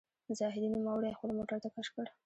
زاهدي نوموړی خپل موټر ته کش کړ.